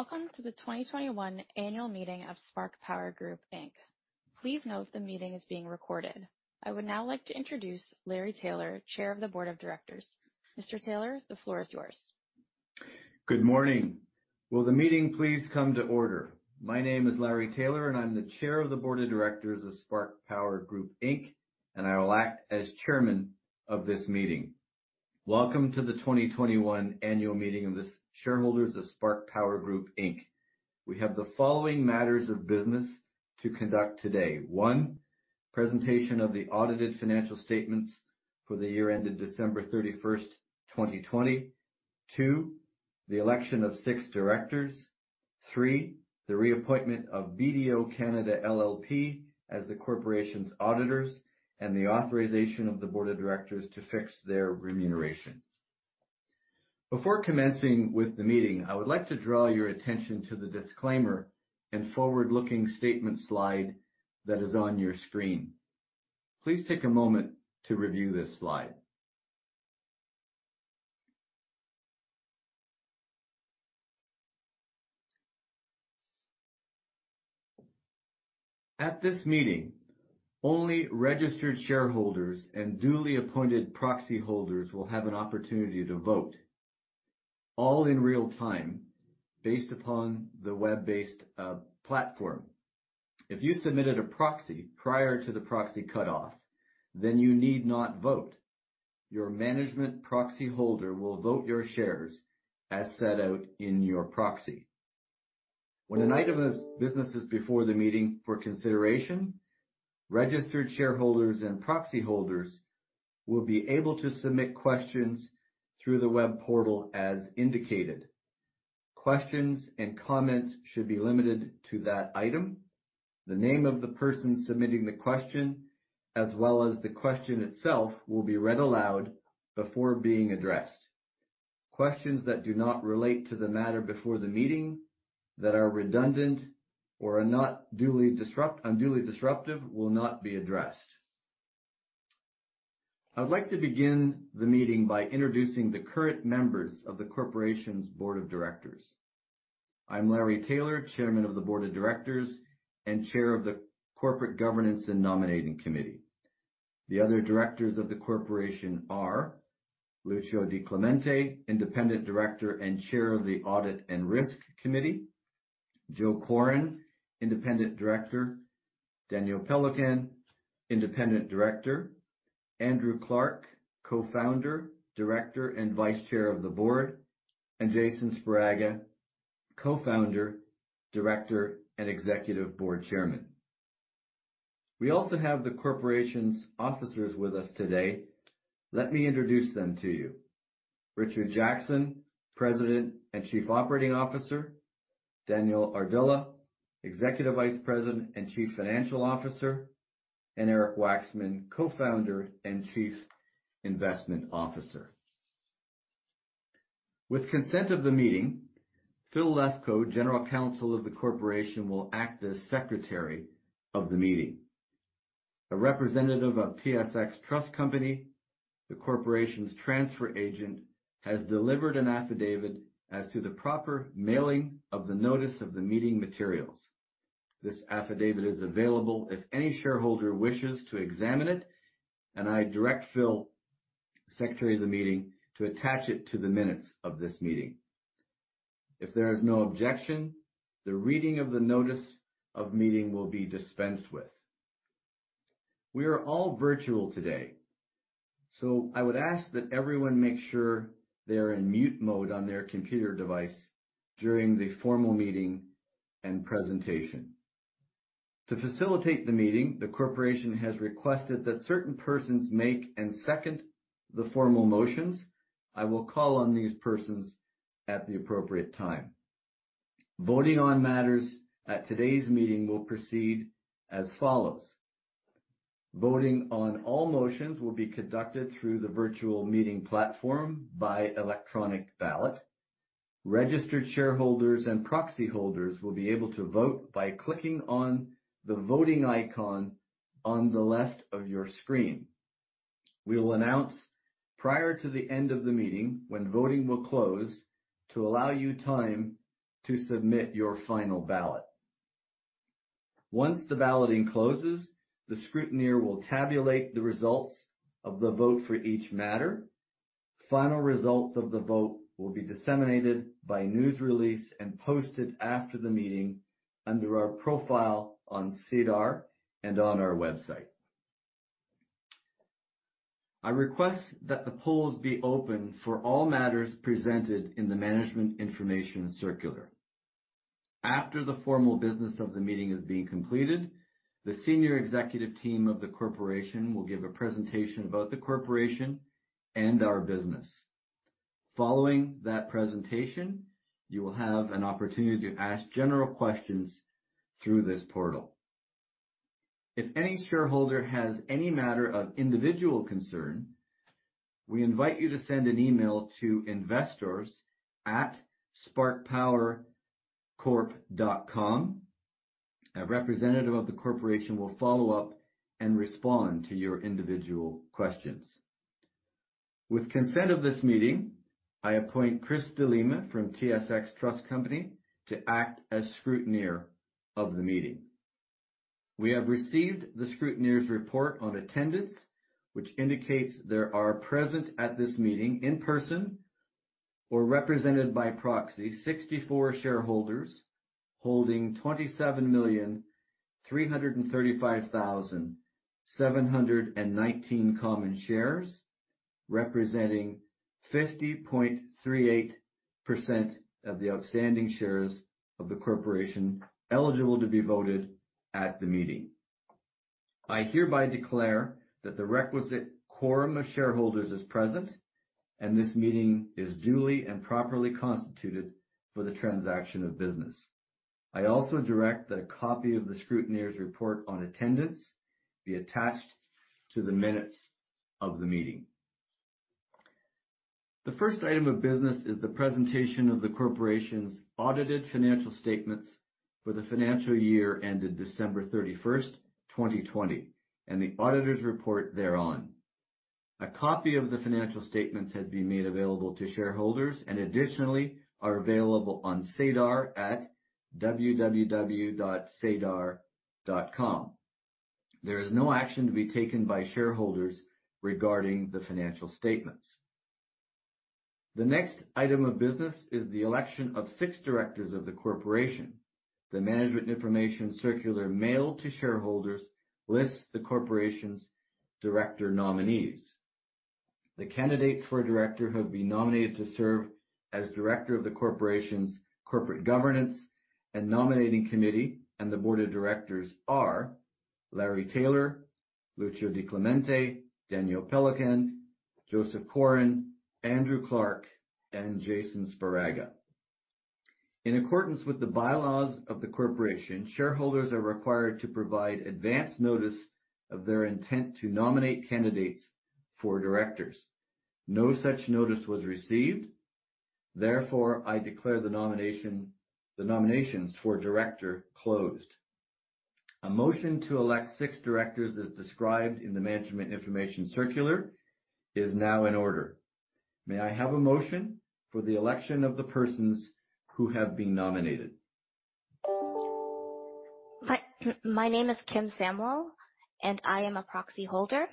Welcome to the 2021 annual meeting of Spark Power Group Inc. Please note the meeting is being recorded. I would now like to introduce Larry Taylor, Chair of the Board of Directors. Mr. Taylor, the floor is yours. Good morning. Will the meeting please come to order? My name is Larry Taylor, and I am the Chair of the Board of Directors of Spark Power Group Inc, and I will act as chairman of this meeting. Welcome to the 2021 annual meeting of the shareholders of Spark Power Group Inc. We have the following matters of business to conduct today. One, presentation of the audited financial statements for the year ended December 31st, 2020. Two, the election of six directors. Three, the reappointment of BDO Canada LLP as the corporation's auditors and the authorization of the board of directors to fix their remuneration. Before commencing with the meeting, I would like to draw your attention to the disclaimer and forward-looking statement slide that is on your screen. Please take a moment to review this slide. At this meeting, only registered shareholders and duly appointed proxy holders will have an opportunity to vote, all in real time based upon the web-based platform. If you submitted a proxy prior to the proxy cutoff, then you need not vote. Your management proxy holder will vote your shares as set out in your proxy. When an item of business is before the meeting for consideration, registered shareholders and proxy holders will be able to submit questions through the web portal as indicated. Questions and comments should be limited to that item. The name of the person submitting the question as well as the question itself will be read aloud before being addressed. Questions that do not relate to the matter before the meeting, that are redundant or are unduly disruptive will not be addressed. I'd like to begin the meeting by introducing the current members of the Corporation's Board of Directors. I'm Larry Taylor, Chairman of the Board of Directors and Chair of the Corporate Governance and Nominating Committee. The other Directors of the Corporation are Lucio Di Clemente, Independent Director and Chair of the Audit and Risk Committee. Joe Quarin, Independent Director. Daniel Péloquin, Independent Director. Andrew Clark, Co-Founder, Director, and Vice Chair of the Board, and Jason Sparaga, Co-Founder, Director, and Executive Board Chairman. We also have the Corporation's Officers with us today. Let me introduce them to you. Richard Jackson, President and Chief Operating Officer. Daniel Ardila, Executive Vice President and Chief Financial Officer, and Eric Waxman, Co-Founder and Chief Investment Officer. With consent of the meeting, Phil Lefko, General Counsel of the Corporation, will act as Secretary of the meeting. A representative of TSX Trust Company, the corporation's transfer agent, has delivered an affidavit as to the proper mailing of the notice of the meeting materials. This affidavit is available if any shareholder wishes to examine it, and I direct Phil, secretary of the meeting, to attach it to the minutes of this meeting. If there is no objection, the reading of the notice of meeting will be dispensed with. We are all virtual today, so I would ask that everyone makes sure they are in mute mode on their computer device during the formal meeting and presentation. To facilitate the meeting, the corporation has requested that certain persons make and second the formal motions. I will call on these persons at the appropriate time. Voting on matters at today's meeting will proceed as follows. Voting on all motions will be conducted through the virtual meeting platform by electronic ballot. Registered shareholders and proxy holders will be able to vote by clicking on the voting icon on the left of your screen. We will announce prior to the end of the meeting when voting will close to allow you time to submit your final ballot. Once the balloting closes, the scrutineer will tabulate the results of the vote for each matter. Final results of the vote will be disseminated by news release and posted after the meeting under our profile on SEDAR and on our website. I request that the polls be open for all matters presented in the management information circular. After the formal business of the meeting has been completed, the senior executive team of the corporation will give a presentation about the corporation and our business. Following that presentation, you will have an opportunity to ask general questions through this portal. If any shareholder has any matter of individual concern, we invite you to send an email to investors@sparkpowercorp.com. A representative of the corporation will follow up and respond to your individual questions. With consent of this meeting, I appoint Christopher de Lima from TSX Trust Company to act as scrutineer of the meeting. We have received the scrutineer's report on attendance, which indicates there are present at this meeting in person or represented by proxy 64 shareholders holding 27,335,719 common shares, representing 50.38% of the outstanding shares of the corporation eligible to be voted at the meeting. I hereby declare that the requisite quorum of shareholders is present, and this meeting is duly and properly constituted for the transaction of business. I also direct that a copy of the scrutineer's report on attendance be attached to the minutes of the meeting. The first item of business is the presentation of the corporation's audited financial statements for the financial year ended December 31, 2020, and the auditor's report thereon. A copy of the financial statements has been made available to shareholders and additionally are available on SEDAR at www.sedar.com. There is no action to be taken by shareholders regarding the financial statements. The next item of business is the election of six directors of the corporation. The management information circular mailed to shareholders lists the corporation's director nominees. The candidates for director who have been nominated to serve as director of the corporation's corporate governance and nominating committee and the board of directors are Larry Taylor, Lucio Di Clemente, Daniel Péloquin, Joseph Quarin, Andrew Clark, and Jason Sparaga. In accordance with the bylaws of the corporation, shareholders are required to provide advance notice of their intent to nominate candidates for directors. No such notice was received. Therefore, I declare the nominations for director closed. A motion to elect six directors as described in the management information circular is now in order. May I have a motion for the election of the persons who have been nominated? Hi. My name is Kim Samlall, and I am a proxy holder.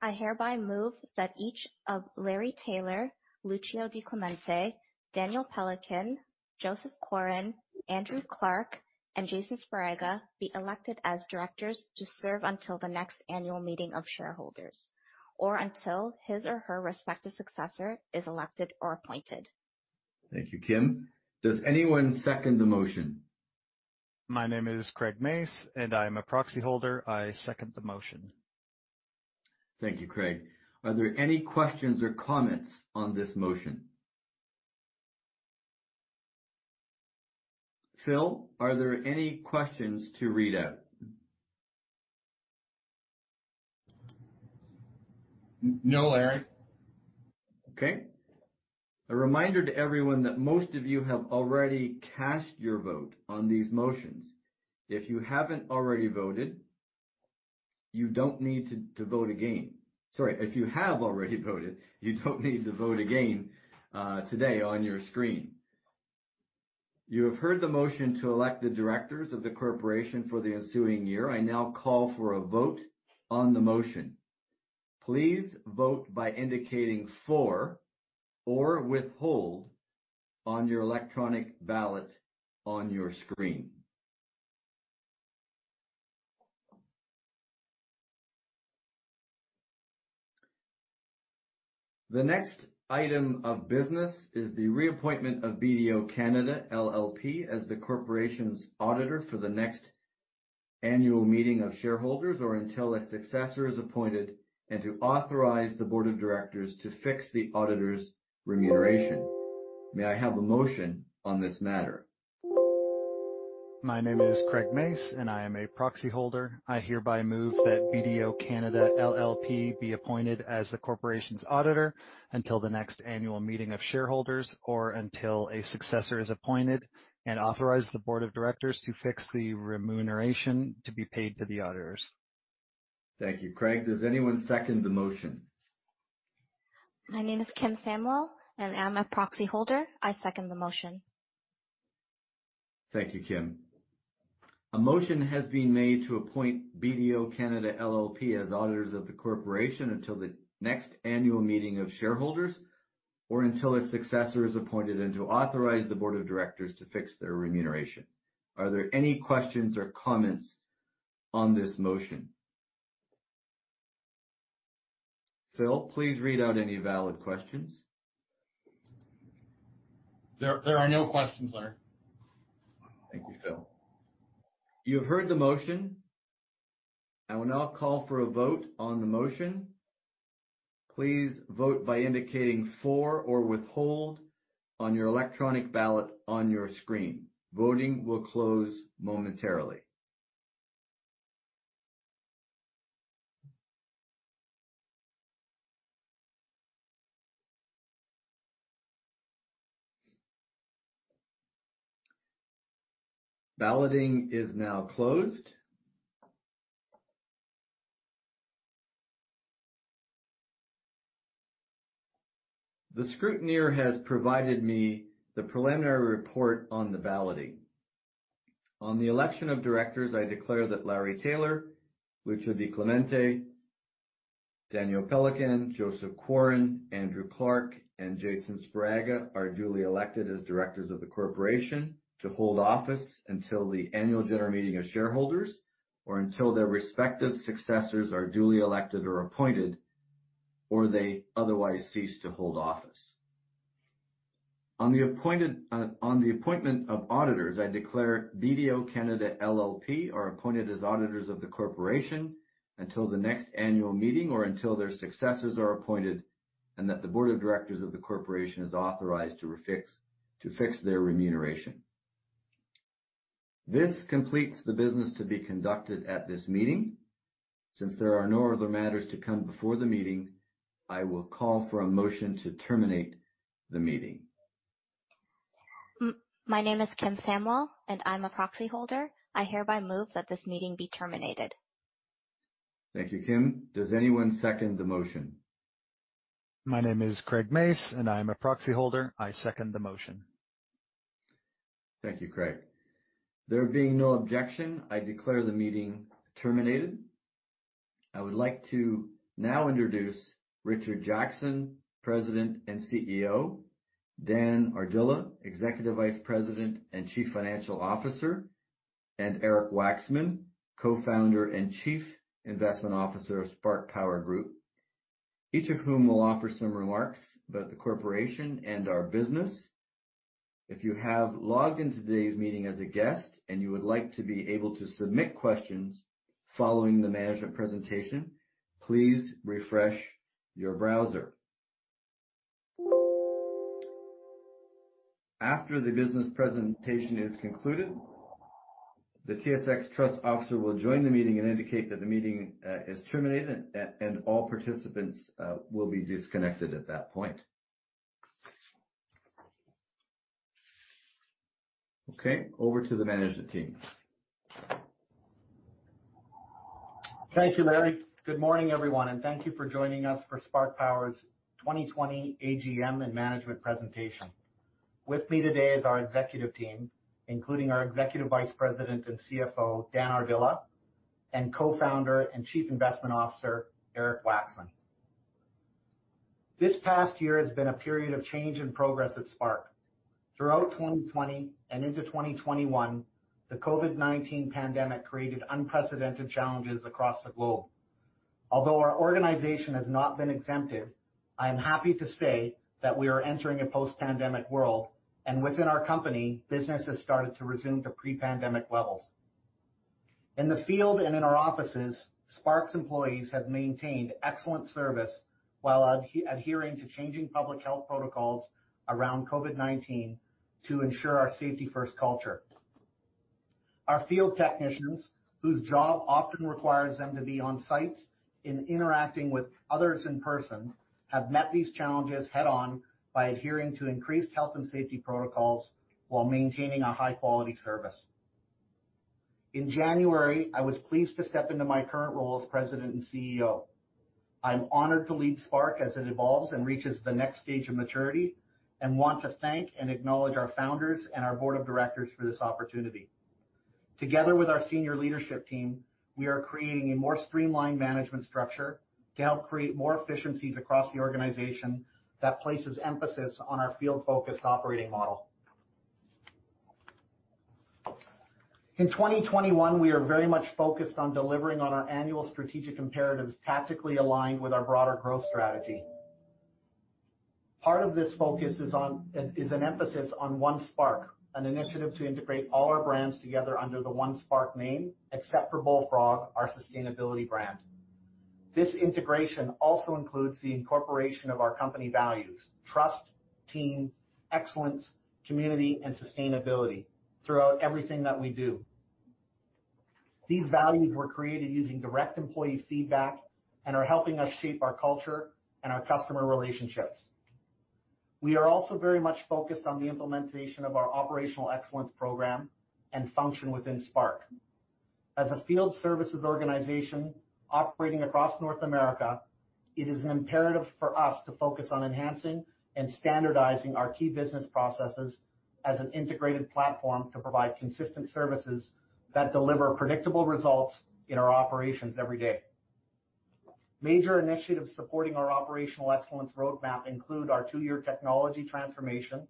I hereby move that each of Larry Taylor, Lucio Di Clemente, Daniel Péloquin, Joseph Quarin, Andrew Clark, and Jason Sparaga be elected as directors to serve until the next annual meeting of shareholders or until his or her respective successor is elected or appointed. Thank you, Kim. Does anyone second the motion? My name is Craig Mace, and I am a proxy holder. I second the motion. Thank you, Craig. Are there any questions or comments on this motion? Phil, are there any questions to read out? No, Larry. Okay. A reminder to everyone that most of you have already cast your vote on these motions. If you haven't already voted, you don't need to vote again. Sorry, if you have already voted, you don't need to vote again today on your screen. You have heard the motion to elect the directors of the corporation for the ensuing year. I now call for a vote on the motion. Please vote by indicating for or withhold on your electronic ballot on your screen. The next item of business is the reappointment of BDO Canada LLP as the corporation's auditor for the next annual meeting of shareholders or until a successor is appointed, and to authorize the board of directors to fix the auditor's remuneration. May I have a motion on this matter? My name is Craig Mace, and I am a proxy holder. I hereby move that BDO Canada LLP be appointed as the corporation's auditor until the next annual meeting of shareholders or until a successor is appointed, and authorize the board of directors to fix the remuneration to be paid to the auditors. Thank you, Craig. Does anyone second the motion? My name is Kim Samlall, and I'm a proxy holder. I second the motion. Thank you, Kim. A motion has been made to appoint BDO Canada LLP as auditors of the corporation until the next annual meeting of shareholders or until a successor is appointed, and to authorize the board of directors to fix their remuneration. Are there any questions or comments on this motion? Phil, please read out any valid questions. There are no questions, Larry. Thank you, Phil. You have heard the motion. I will now call for a vote on the motion. Please vote by indicating for or withhold on your electronic ballot on your screen. Voting will close momentarily. Balloting is now closed. The scrutineer has provided me the preliminary report on the balloting. On the election of directors, I declare that Larry Taylor, Lucio Di Clemente, Daniel Péloquin, Joseph Quarin, Andrew Clark, and Jason Sparaga are duly elected as directors of the corporation to hold office until the annual general meeting of shareholders, or until their respective successors are duly elected or appointed, or they otherwise cease to hold office. On the appointment of auditors, I declare BDO Canada LLP are appointed as auditors of the corporation until the next annual meeting or until their successors are appointed, and that the board of directors of the corporation is authorized to fix their remuneration. This completes the business to be conducted at this meeting. Since there are no other matters to come before the meeting, I will call for a motion to terminate the meeting. My name is Kim Samlall, and I'm a proxy holder. I hereby move that this meeting be terminated. Thank you, Kim. Does anyone second the motion? My name is Craig Mace, and I am a proxy holder. I second the motion. Thank you, Craig. There being no objection, I declare the meeting terminated. I would like to now introduce Richard Jackson, President and CEO, Dan Ardila, Executive Vice President and Chief Financial Officer, and Eric Waxman, Co-founder and Chief Investment Officer of Spark Power Group, each of whom will offer some remarks about the corporation and our business. If you have logged into today's meeting as a guest and you would like to be able to submit questions following the management presentation, please refresh your browser. After the business presentation is concluded, the TSX trust officer will join the meeting and indicate that the meeting is terminated, and all participants will be disconnected at that point. Okay, over to the management team. Thank you, Larry. Good morning, everyone, and thank you for joining us for Spark Power's 2020 AGM and management presentation. With me today is our executive team, including our Executive Vice President and CFO, Dan Ardila, and Co-founder and Chief Investment Officer, Eric Waxman. This past year has been a period of change and progress at Spark. Throughout 2020 and into 2021, the COVID-19 pandemic created unprecedented challenges across the globe. Although our organization has not been exempted, I am happy to say that we are entering a post-pandemic world, and within our company, business has started to resume to pre-pandemic levels. In the field and in our offices, Spark's employees have maintained excellent service while adhering to changing public health protocols around COVID-19 to ensure our safety-first culture. Our field technicians, whose job often requires them to be on sites and interacting with others in person, have met these challenges head-on by adhering to increased health and safety protocols while maintaining a high-quality service. In January, I was pleased to step into my current role as President and CEO. I'm honored to lead Spark as it evolves and reaches the next stage of maturity and want to thank and acknowledge our founders and our board of directors for this opportunity. Together with our senior leadership team, we are creating a more streamlined management structure to help create more efficiencies across the organization that places emphasis on our field-focused operating model. In 2021, we are very much focused on delivering on our annual strategic imperatives tactically aligned with our broader growth strategy. Part of this focus is an emphasis on One Spark, an initiative to integrate all our brands together under the One Spark name, except for Bullfrog, our sustainability brand. This integration also includes the incorporation of our company values, trust, team, excellence, community, and sustainability throughout everything that we do. These values were created using direct employee feedback and are helping us shape our culture and our customer relationships. We are also very much focused on the implementation of our operational excellence program and function within Spark. As a field services organization operating across North America, it is imperative for us to focus on enhancing and standardizing our key business processes as an integrated platform to provide consistent services that deliver predictable results in our operations every day. Major initiatives supporting our operational excellence roadmap include our two-year technology transformation,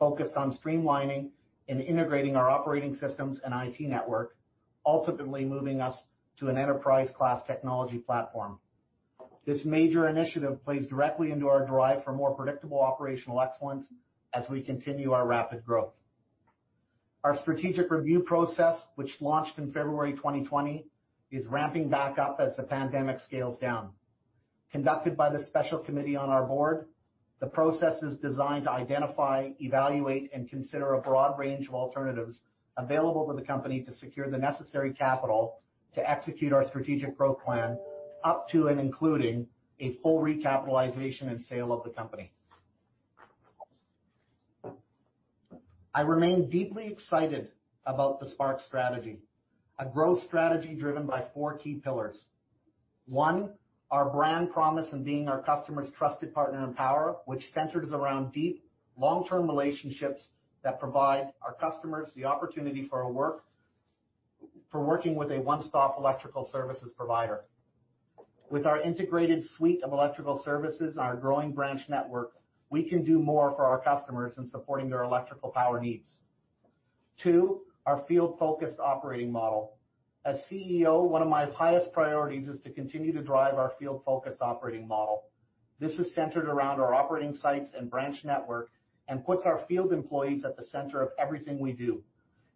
focused on streamlining and integrating our operating systems and IT network, ultimately moving us to an enterprise-class technology platform. This major initiative plays directly into our drive for more predictable operational excellence as we continue our rapid growth. Our strategic review process, which launched in February 2020, is ramping back up as the pandemic scales down. Conducted by the special committee on our board, the process is designed to identify, evaluate, and consider a broad range of alternatives available for the company to secure the necessary capital to execute our strategic growth plan up to and including a full recapitalization and sale of the company. I remain deeply excited about the Spark strategy, a growth strategy driven by four key pillars. One, our brand promise in being our customer's trusted partner in power, which centers around deep, long-term relationships that provide our customers the opportunity for working with a one-stop electrical services provider. With our integrated suite of electrical services and our growing branch network, we can do more for our customers in supporting their electrical power needs. Two, our field-focused operating model. As CEO, one of my highest priorities is to continue to drive our field-focused operating model. This is centered around our operating sites and branch network and puts our field employees at the center of everything we do,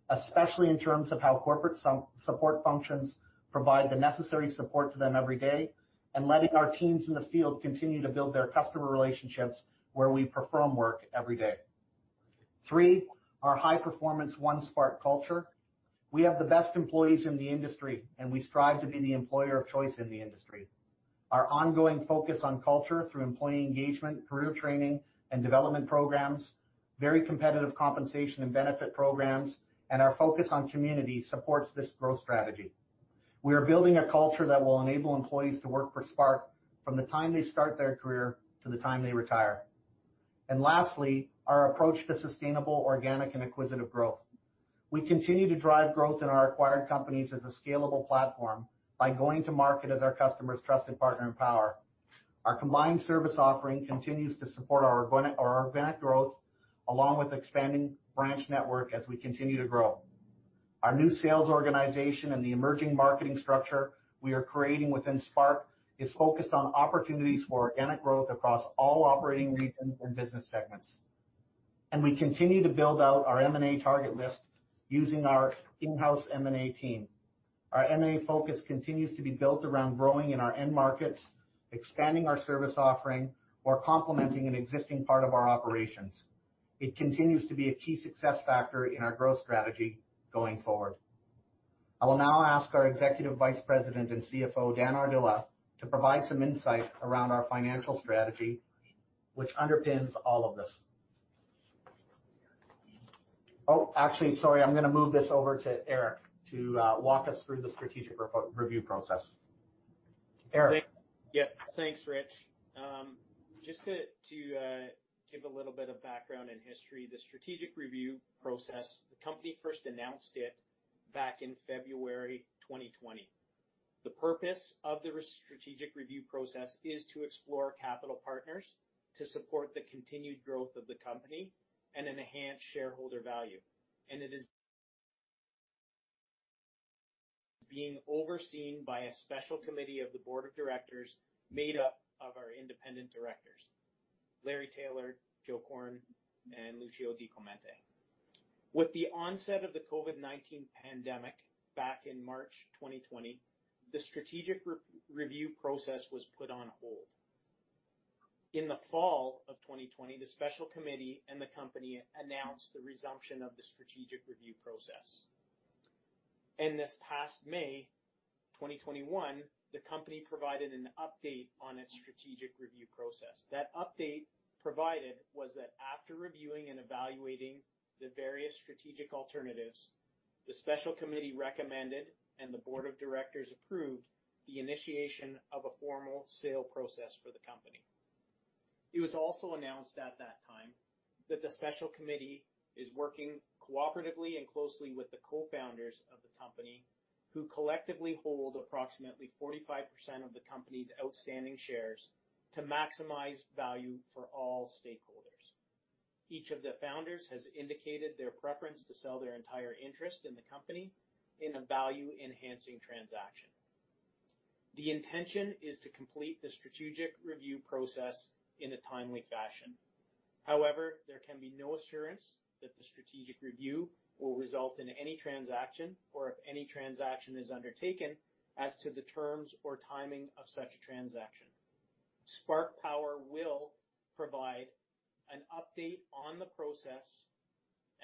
especially in terms of how corporate support functions provide the necessary support to them every day, and letting our teams in the field continue to build their customer relationships where we perform work every day. Three, our high-performance One Spark culture. We have the best employees in the industry, and we strive to be the employer of choice in the industry. Our ongoing focus on culture through employee engagement, career training, and development programs, very competitive compensation and benefit programs, and our focus on community supports this growth strategy. We are building a culture that will enable employees to work for Spark from the time they start their career to the time they retire. Lastly, our approach to sustainable, organic, and acquisitive growth. We continue to drive growth in our acquired companies as a scalable platform by going to market as our customer's trusted partner in power. Our combined service offering continues to support our organic growth, along with expanding branch network as we continue to grow. Our new sales organization and the emerging marketing structure we are creating within Spark is focused on opportunities for organic growth across all operating regions and business segments. We continue to build out our M&A target list using our in-house M&A team. Our M&A focus continues to be built around growing in our end markets, expanding our service offering, or complementing an existing part of our operations. It continues to be a key success factor in our growth strategy going forward. I will now ask our Executive Vice President and CFO, Dan Ardila, to provide some insight around our financial strategy, which underpins all of this. Oh, actually, sorry. I'm going to move this over to Eric to walk us through the strategic review process. Eric? Thanks, Rich. Just to give a little bit of background and history, the strategic review process, the company first announced it back in February 2020. The purpose of the strategic review process is to explore capital partners to support the continued growth of the company and enhance shareholder value. It is being overseen by a special committee of the board of directors made up of our independent directors, Larry Taylor, Joseph Quarin, and Lucio Di Clemente. With the onset of the COVID-19 pandemic back in March 2020, the strategic review process was put on hold. In the fall of 2020, the special committee and the company announced the resumption of the strategic review process. This past May 2021, the company provided an update on its strategic review process. That update provided was that after reviewing and evaluating the various strategic alternatives, the special committee recommended and the board of directors approved the initiation of a formal sale process for the company. It was also announced at that time that the special committee is working cooperatively and closely with the co-founders of the company, who collectively hold approximately 45% of the company's outstanding shares, to maximize value for all stakeholders. Each of the founders has indicated their preference to sell their entire interest in the company in a value-enhancing transaction. The intention is to complete the strategic review process in a timely fashion. There can be no assurance that the strategic review will result in any transaction or if any transaction is undertaken as to the terms or timing of such a transaction. Spark Power will provide an update on the process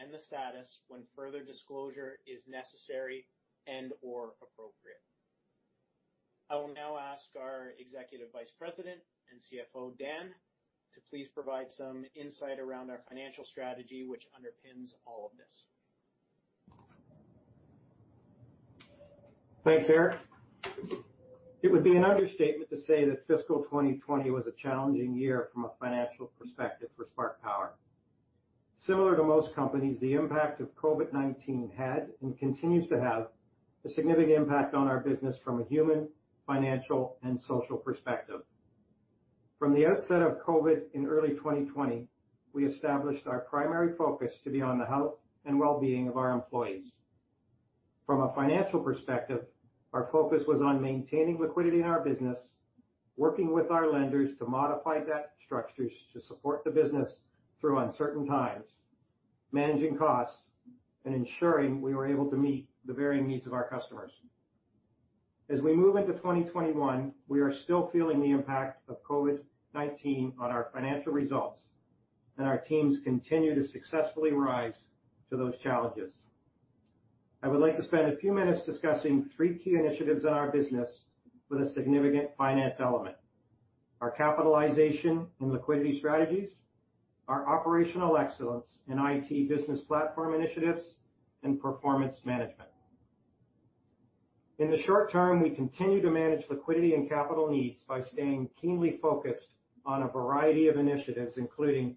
and the status when further disclosure is necessary and/or appropriate. I will now ask our Executive Vice President and CFO, Dan, to please provide some insight around our financial strategy, which underpins all of this. Thanks, Eric. It would be an understatement to say that fiscal 2020 was a challenging year from a financial perspective for Spark Power. Similar to most companies, the impact of COVID-19 had and continues to have a significant impact on our business from a human, financial, and social perspective. From the outset of COVID in early 2020, we established our primary focus to be on the health and well-being of our employees. From a financial perspective, our focus was on maintaining liquidity in our business, working with our lenders to modify debt structures to support the business through uncertain times, managing costs, and ensuring we were able to meet the varying needs of our customers. As we move into 2021, we are still feeling the impact of COVID-19 on our financial results, and our teams continue to successfully rise to those challenges. I would like to spend a few minutes discussing three key initiatives in our business with a significant finance element. Our capitalization and liquidity strategies, our operational excellence in IT business platform initiatives, and performance management. In the short term, we continue to manage liquidity and capital needs by staying keenly focused on a variety of initiatives, including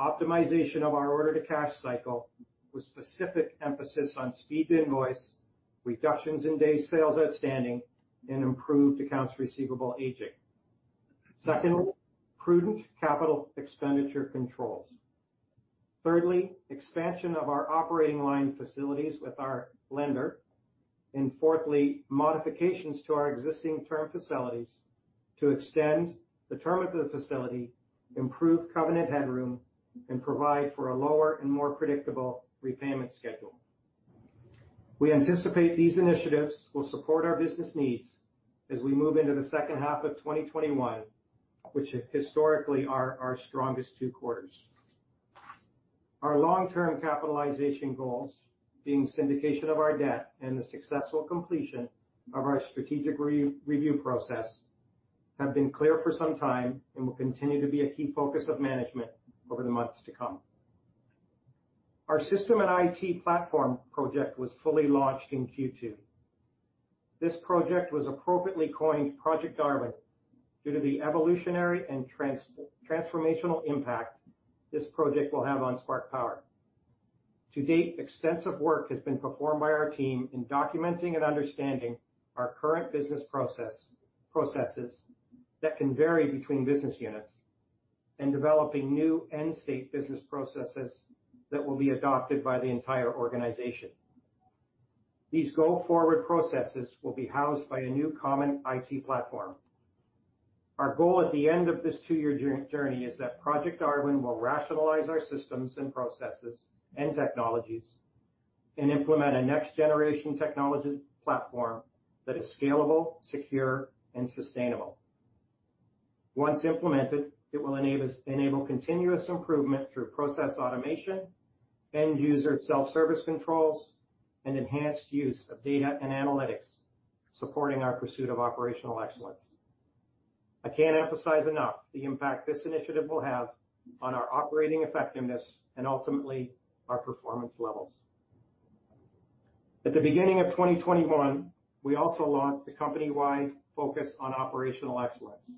optimization of our order-to-cash cycle with specific emphasis on speed to invoice, reductions in days sales outstanding, and improved accounts receivable aging. Secondly, prudent capital expenditure controls. Thirdly, expansion of our operating line facilities with our lender. Fourthly, modifications to our existing term facilities to extend the term of the facility, improve covenant headroom, and provide for a lower and more predictable repayment schedule. We anticipate these initiatives will support our business needs as we move into the second half of 2021, which historically are our strongest two quarters. Our long-term capitalization goals, being syndication of our debt and the successful completion of our strategic review process, have been clear for some time and will continue to be a key focus of management over the months to come. Our system and IT platform project was fully launched in Q2. This project was appropriately coined Project Darwin due to the evolutionary and transformational impact this project will have on Spark Power. To date, extensive work has been performed by our team in documenting and understanding our current business processes that can vary between business units, and developing new end-state business processes that will be adopted by the entire organization. These go-forward processes will be housed by a new common IT platform. Our goal at the end of this two-year journey is that Project Darwin will rationalize our systems and processes and technologies, and implement a next-generation technology platform that is scalable, secure, and sustainable. Once implemented, it will enable continuous improvement through process automation, end-user self-service controls, and enhanced use of data and analytics, supporting our pursuit of operational excellence. I can't emphasize enough the impact this initiative will have on our operating effectiveness and ultimately our performance levels. At the beginning of 2021, we also launched a company-wide focus on operational excellence.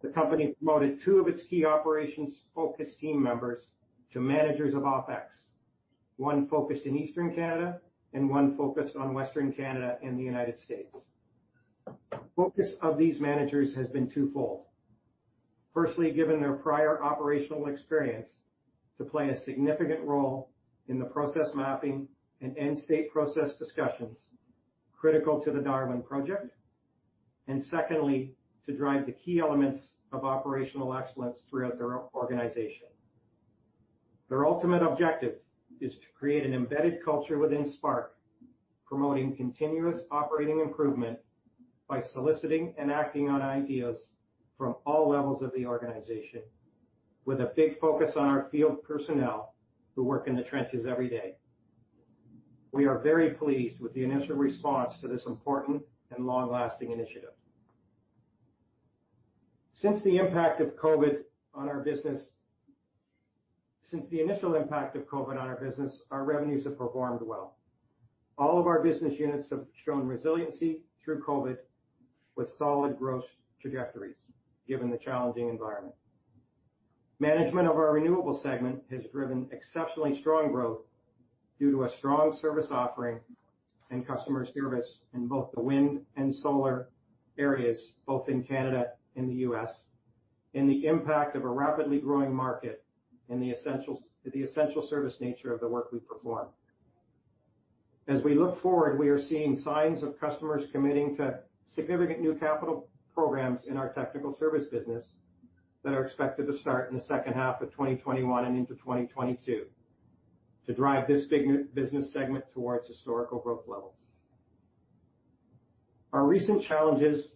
The company promoted two of its key operations-focused team members to managers of OpEx. One focused in Eastern Canada and one focused on Western Canada and the U.S. The focus of these managers has been twofold. Firstly, given their prior operational experience to play a significant role in the process mapping and end-state process discussions critical to Project Darwin, and secondly, to drive the key elements of operational excellence throughout their organization. Their ultimate objective is to create an embedded culture within Spark Power, promoting continuous operating improvement by soliciting and acting on ideas from all levels of the organization, with a big focus on our field personnel who work in the trenches every day. We are very pleased with the initial response to this important and long-lasting initiative. Since the initial impact of COVID-19 on our business, our revenues have performed well. All of our business units have shown resiliency through COVID-19 with solid growth trajectories, given the challenging environment. Management of our renewables segment has driven exceptionally strong growth due to a strong service offering and customer service in both the wind and solar areas, both in Canada and the U.S., and the impact of a rapidly growing market and the essential service nature of the work we perform. As we look forward, we are seeing signs of customers committing to significant new capital programs in our technical service business that are expected to start in the second half of 2021 and into 2022 to drive this business segment to its historical growth levels. Our recent challenges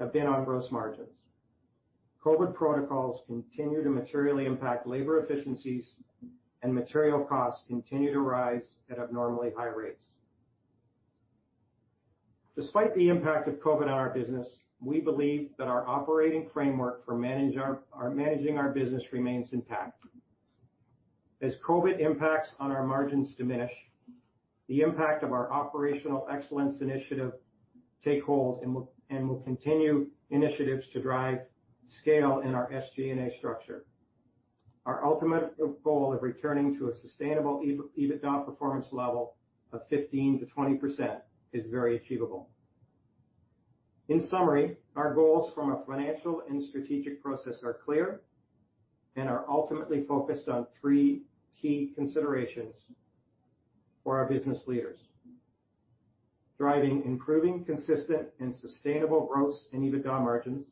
have been on gross margins. COVID protocols continue to materially impact labor efficiencies, and material costs continue to rise at abnormally high rates. Despite the impact of COVID on our business, we believe that our operating framework for managing our business remains intact. As COVID-19 impacts on our margins diminish, the impact of our operational excellence initiative take hold and will continue initiatives to drive scale in our SG&A structure. Our ultimate goal of returning to a sustainable EBITDA performance level of 15%-20% is very achievable. In summary, our goals from a financial and strategic process are clear and are ultimately focused on three key considerations for our business leaders. Driving improving, consistent, and sustainable gross and EBITDA margins,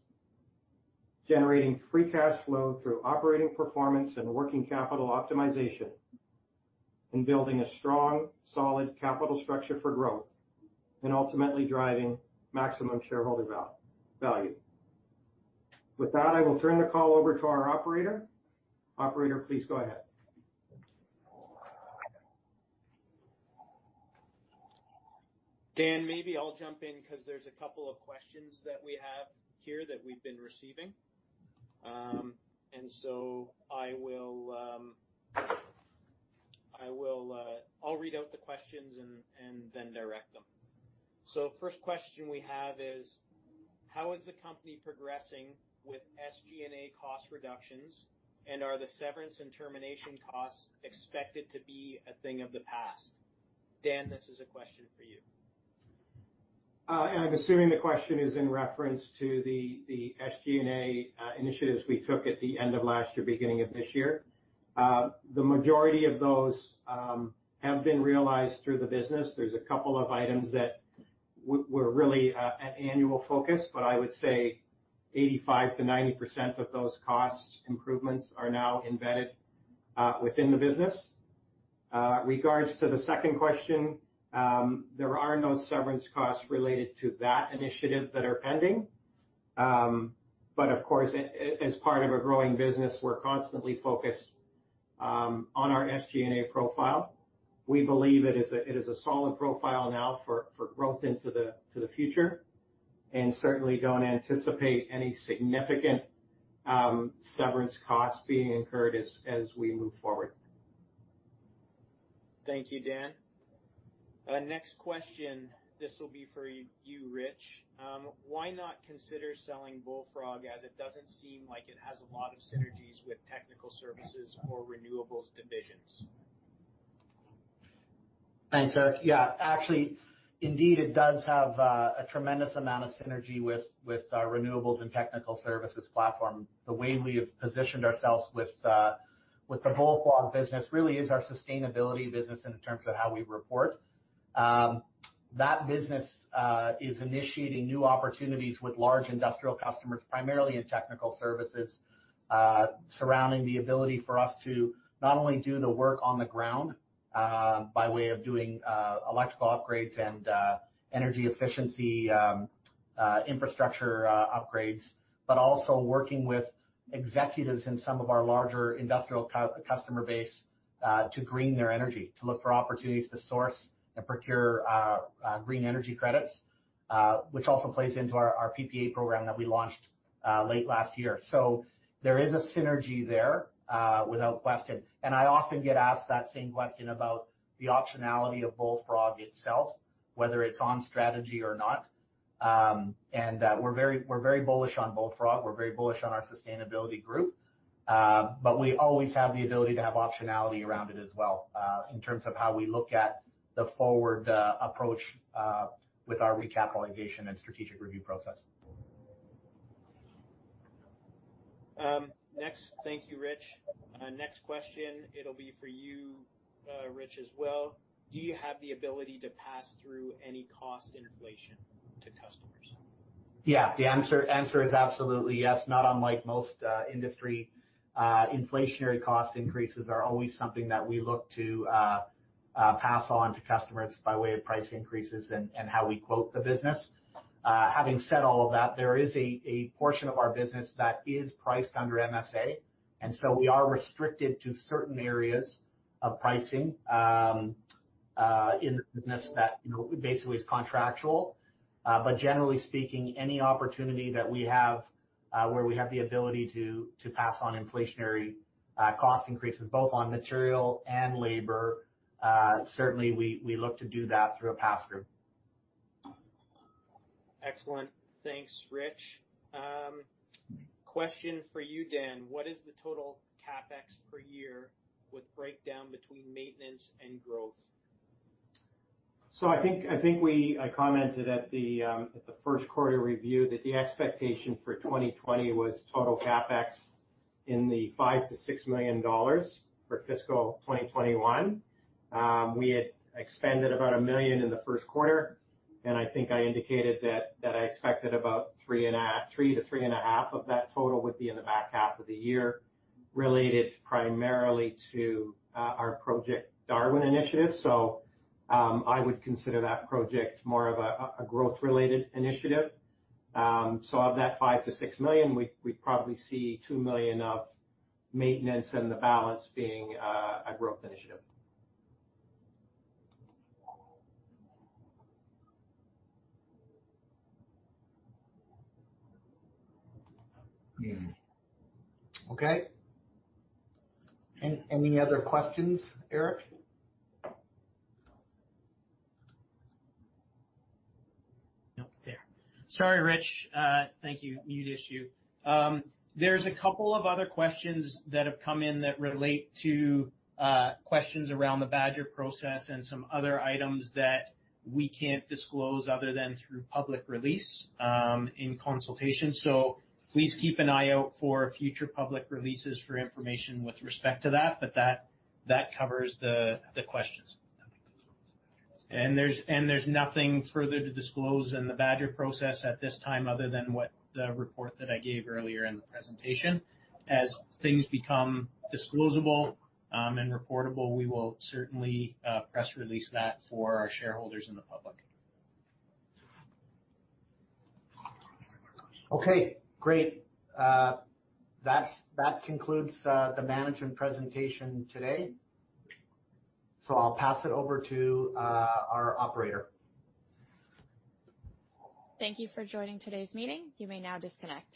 generating free cash flow through operating performance and working capital optimization, and building a strong, solid capital structure for growth and ultimately driving maximum shareholder value. With that, I will turn the call over to our operator. Operator, please go ahead. Dan, maybe I'll jump in because there's a couple of questions that we have here that we've been receiving. I'll read out the questions and then direct them. First question we have is: How is the company progressing with SG&A cost reductions, and are the severance and termination costs expected to be a thing of the past? Dan, this is a question for you. I'm assuming the question is in reference to the SG&A initiatives we took at the end of last year, beginning of this year. The majority of those have been realized through the business. There's a couple of items that were really an annual focus, but I would say 85%-90% of those cost improvements are now embedded within the business. Regards to the second question, there are no severance costs related to that initiative that are pending. Of course, as part of a growing business, we're constantly focused on our SG&A profile. We believe it is a solid profile now for growth into the future, and certainly don't anticipate any significant severance costs being incurred as we move forward. Thank you, Dan. Next question, this will be for you, Rich. Why not consider selling Bullfrog as it doesn't seem like it has a lot of synergies with technical services or renewables divisions? Thanks, Eric. Yeah, actually, indeed, it does have a tremendous amount of synergy with our renewables and technical services platform. The way we have positioned ourselves with the Bullfrog Power business really is our sustainability business in terms of how we report. That business is initiating new opportunities with large industrial customers, primarily in technical services, surrounding the ability for us to not only do the work on the ground by way of doing electrical upgrades and energy efficiency infrastructure upgrades. Also working with executives in some of our larger industrial customer base to green their energy, to look for opportunities to source and procure green energy credits which also plays into our PPA program that we launched late last year. There is a synergy there, without question. I often get asked that same question about the optionality of Bullfrog Power itself, whether it's on strategy or not. We're very bullish on Bullfrog. We're very bullish on our sustainability group. We always have the ability to have optionality around it as well in terms of how we look at the forward approach with our recapitalization and strategic review process. Thank you, Rich. Next question, it'll be for you, Rich, as well. Do you have the ability to pass through any cost inflation to customers? Yeah. The answer is absolutely yes, not unlike most industry. Inflationary cost increases are always something that we look to pass on to customers by way of price increases and how we quote the business. Having said all of that, there is a portion of our business that is priced under MSA, we are restricted to certain areas of pricing in the business that basically is contractual. Generally speaking, any opportunity that we have where we have the ability to pass on inflationary cost increases, both on material and labor, certainly, we look to do that through a pass-through. Excellent. Thanks, Rich. Question for you, Dan. What is the total CapEx per year with breakdown between maintenance and growth? I think I commented at the first quarter review that the expectation for 2020 was total CapEx in the 5 million-6 million dollars for FY 2021. We had expended about 1 million in the first quarter, and I think I indicated that I expected about 3 million-3.5 million of that total would be in the back half of the year, related primarily to our Project Darwin initiative. I would consider that project more of a growth-related initiative. Of that 5 million-6 million, we'd probably see 2 million of maintenance and the balance being a growth initiative. Okay. Any other questions, Eric? Sorry, Rich. Thank you. Mute issue. There's a couple of other questions that have come in that relate to questions around the Badger process and some other items that we can't disclose other than through public release in consultation. Please keep an eye out for future public releases for information with respect to that. That covers the questions. There's nothing further to disclose in the Badger process at this time other than what the report that I gave earlier in the presentation. As things become disclosable and reportable, we will certainly press release that for our shareholders and the public. Okay, great. That concludes the management presentation today. I'll pass it over to our operator. Thank you for joining today's meeting. You may now disconnect.